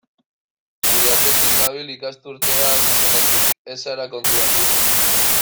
Zure atzetik nabil ikasturtea hasi zenetik, ez zara konturatu?